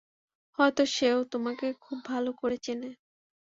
হয়তো সেও তোমাকে খুব ভালো করে চেনে।